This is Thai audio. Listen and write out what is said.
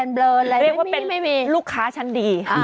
เรียกว่าเป็นไม่มีลูกค้าชันดี